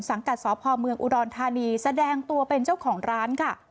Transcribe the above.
สังกัดสอบภอบเมืองอุดรทานีแสดงตัวเป็นเจ้าของร้าน